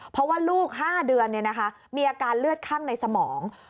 เพราะว่าลูก๕เดือนมีอาการเลือดข้างในสมอง